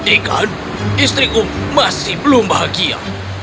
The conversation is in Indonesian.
ikan istriku masih belum bahagia